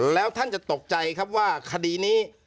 แล้วท่านจะตกใจครับว่าคดีนี้